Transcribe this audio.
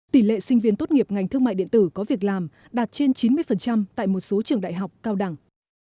tỷ lệ sinh viên tốt nghiệp ngành thương mại điện tử có việc làm đạt trên chín mươi tại một số trường đại học cao đẳng